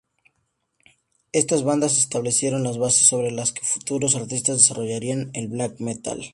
Estas bandas establecieron las bases sobre las que futuros artistas desarrollarían el black metal.